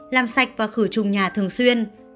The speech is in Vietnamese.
làm sạch và khử trùng nhà thường xuyên